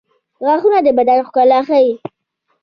• غاښونه د بدن ښکلا ښيي.